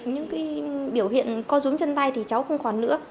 những biểu hiện co rúm chân tay thì cháu không còn nữa